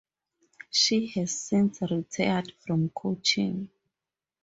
She has since retired from coaching.